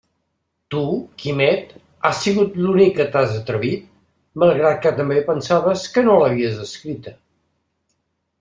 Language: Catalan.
Tu, Quimet, has sigut l'únic que t'has atrevit, malgrat que també pensaves «que no l'havies escrita».